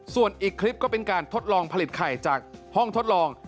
ส่วนอีกคลิปก็เป็นการทดลองผลิตไข่จากห้องทดลอง